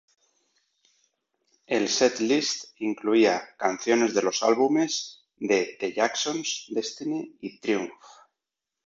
El setlist incluía canciones de los álbumes de The Jacksons "Destiny" y "Triumph".